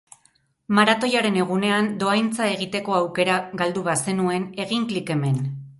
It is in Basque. Maratoiaren egunean dohaintza egiteko aukera galdu bazenuen, egin klik hemen!